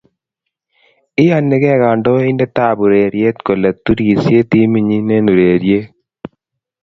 iyanigei kandoindetab ureriet kole turisie timitnyin eng' ureriet